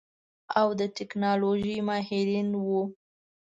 او د ټيکنالوژۍ ماهرين وو.